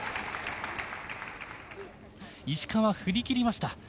石川、振り切りました。